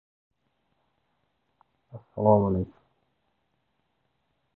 Vatan uchun chala ish qilish, uning uchun hech nima qilmaslikdir.